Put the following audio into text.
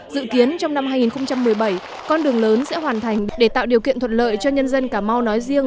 dự kiến trong năm hai nghìn một mươi bảy con đường lớn sẽ hoàn thành để tạo điều kiện thuận lợi cho nhân dân cà mau nói riêng